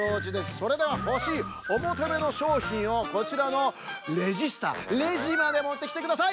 それではほしいおもとめのしょうひんをこちらのレジスターレジまでもってきてください！